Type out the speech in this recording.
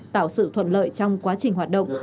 tạo sự thuận lợi trong quá trình hoạt động